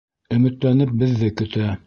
Өмөтләнеп беҙҙе көтә.